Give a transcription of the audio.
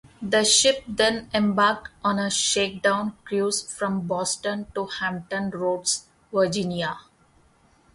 The ship then embarked on a shakedown cruise from Boston to Hampton Roads, Virginia.